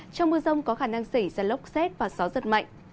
trong mưa rông có khả năng xảy ra lốc xét và gió giật mạnh